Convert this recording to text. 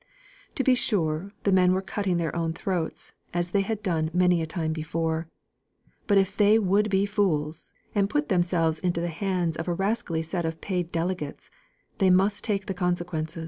To be sure, the men were cutting their own throats, as they had done many a time before; but if they would be fools, and put themselves into the hands of a rascally set of paid delegates, they must take the consequence.